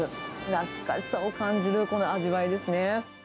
懐かしさを感じるこの味わいですね。